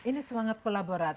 ini semangat kolaboratif